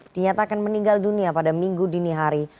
dinyatakan meninggal dunia pada minggu dini hari